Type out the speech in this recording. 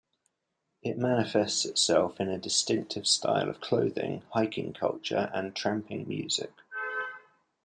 It manifests itself in a distinctive style of clothing, hiking culture and tramping music.